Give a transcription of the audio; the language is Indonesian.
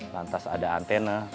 lantas ada antena